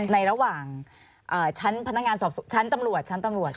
ในระหว่างชั้นตำรวจ